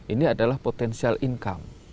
ini adalah potential income